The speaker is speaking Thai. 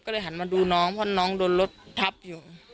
ก็เลยหันมาดูน้องเพราะน้องโดนรถทับอยู่